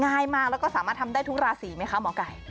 ง่ายมากแล้วก็สามารถทำได้ทุกราศีไหมคะหมอไก่